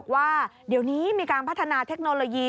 ว่าเดี๋ยวนี้มีการพัฒนาเทคโนโลยี